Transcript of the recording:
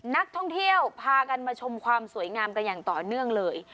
นักท่องเที่ยวพากันมาชมความสวยงามกันอย่างต่อเนื่องเลย